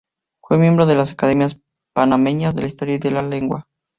Fue miembro de las Academias Panameñas de la Historia y de la Lengua.